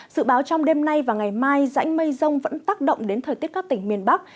dự báo trong đêm nay và ngày mai rãnh mây rông vẫn tác động đến thời tiết các tỉnh miền bắc